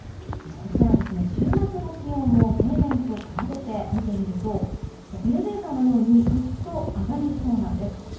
週末の気温を平年と比べてみてみるとエレベーターのようにぐっと上がりそうなんです。